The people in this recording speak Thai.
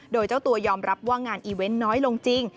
โดยเจ้าตัวยอมรับว่างานอีเวนต์น้อยลงจริง